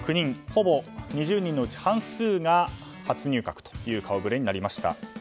ほぼ２０人のうち半数が初入閣という顔ぶれになりました。